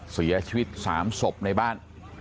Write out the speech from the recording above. เสียชีวิต๓ศพในบ้าน